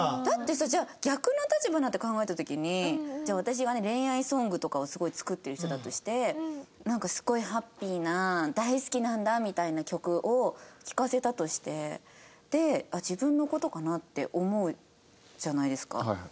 だってさじゃあ逆の立場になって考えた時にじゃあ私がね恋愛ソングとかをすごい作ってる人だとしてなんかすごいハッピーな「大好きなんだ」みたいな曲を聴かせたとしてで「あっ自分の事かな」って思うじゃないですか。